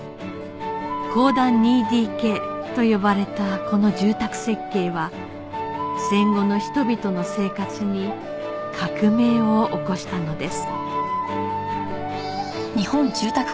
「公団 ２ＤＫ」と呼ばれたこの住宅設計は戦後の人々の生活に革命を起こしたのです